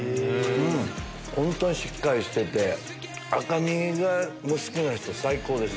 本当にしっかりしてて赤身が好きな人最高です。